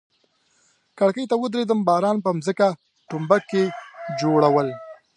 کړکۍ ته ودریدم، باران پر مځکه ډومبکي جوړول.